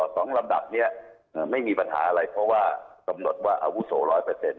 สองลำดับเนี้ยไม่มีปัญหาอะไรเพราะว่ากำหนดว่าอาวุโสร้อยเปอร์เซ็น